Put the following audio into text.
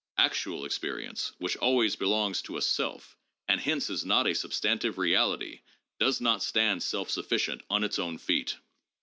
Actual experience, which always belongs to a self and hence is not a sub stantive reality, does not stand self sufficient on its own feet.